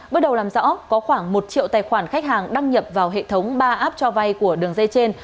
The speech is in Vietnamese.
bước đầu làm rõ có khoảng một triệu tài khoản khách hàng đăng nhập vào hệ thống ba app cho vay của đường dây trên